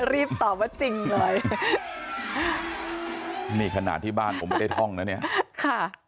รีบตอบว่าจริงเลยนี่ขนาดที่บ้านผมไม่ได้ท่องนะเนี่ยค่ะ